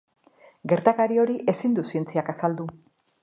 Gertakari hori ezin du zientziak azaldu.